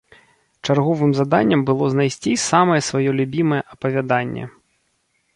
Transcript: Чарговым заданнем было знайсці самае сваё любімае апавяданне.